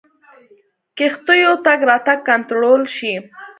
کښتیو تګ راتګ کنټرول شي.